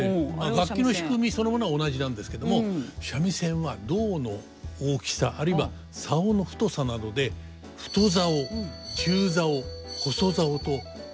楽器の仕組みそのものは同じなんですけども三味線は胴の大きさあるいは棹の太さなどで太棹中棹細棹と大別されているわけです。